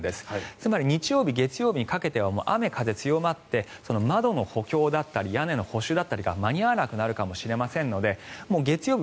つまり日曜日、月曜日にかけては雨風強まって窓の補強だったり屋根の補修だったりが間に合わなくなるかもしれませんので月曜日